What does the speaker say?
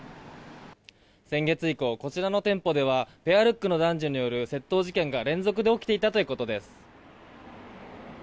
先月以降こちらの店舗ではペアルックの男女による窃盗事件が連続で起きていたということです。